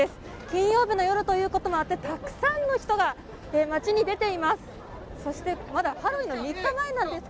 金曜日の夜ということもあって、たくさんの人たちが街に集まっています。